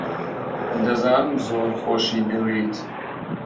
دەزانم زۆر خۆشی دەوێیت.